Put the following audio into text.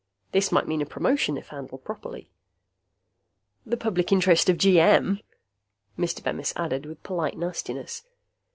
This might mean a promotion, if handled properly. "The Public Interest of GM," Mr. Bemis added with polite nastiness.